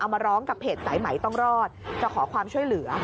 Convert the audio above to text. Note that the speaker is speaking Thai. มาร้องกับเพจสายไหมต้องรอดจะขอความช่วยเหลือ